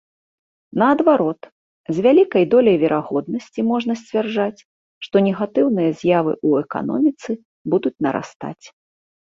Наадварот, з вялікай доляй верагоднасці можна сцвярджаць, што негатыўныя з'явы ў эканоміцы будуць нарастаць.